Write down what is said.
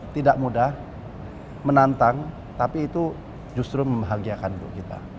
tidak mudah menantang tapi itu justru membahagiakan untuk kita